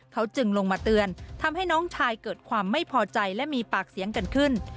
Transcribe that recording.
เขาจึงลงมาเตือนทำให้น้องชายเกิดความไม่พอใจและมีปากเสียงกันขึ้น